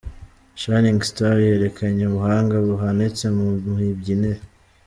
Shining stars yerekanye ubuhanga buhanitse mu mibyinire.